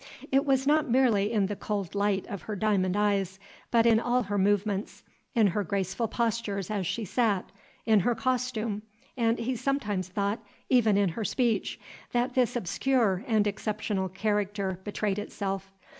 It was not merely in the cold light of her diamond eyes, but in all her movements, in her graceful postures as she sat, in her costume, and, he sometimes thought, even in her speech, that this obscure and exceptional character betrayed itself.